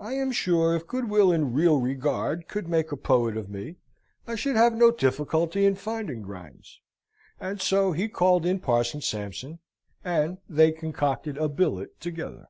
I am sure, if goodwill and real regard could make a poet of me, I should have no difficulty in finding rhymes." And so he called in Parson Sampson, and they concocted a billet together.